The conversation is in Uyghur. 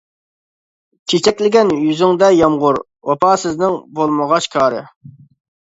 چېچەكلىگەن يۈزۈڭدە يامغۇر، ۋاپاسىزنىڭ بولمىغاچ كارى.